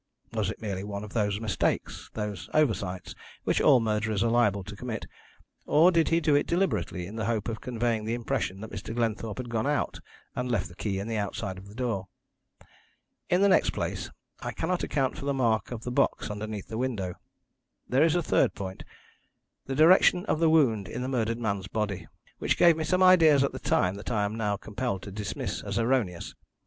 Was it merely one of those mistakes those oversights which all murderers are liable to commit, or did he do it deliberately, in the hope of conveying the impression that Mr. Glenthorpe had gone out and left the key in the outside of the door. In the next place, I cannot account for the mark of the box underneath the window. There is a third point the direction of the wound in the murdered man's body, which gave me some ideas at the time that I am now compelled to dismiss as erroneous.